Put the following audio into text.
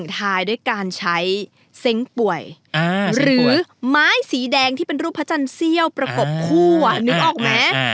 ที่สีแดงที่เป็นรูปพระจันทร์เซี่ยวประกบคู่อ่ะนึกออกไหม